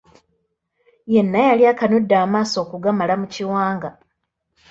Yenna yali akanudde amaaso okugamala mu kiwanga.